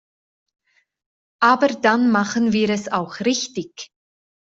Aber dann machen wir es auch richtig!